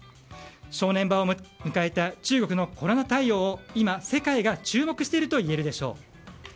正念場を迎えた中国のコロナ対応を今、世界が注目しているといえるでしょう。